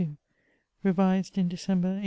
Revised in December, 1846.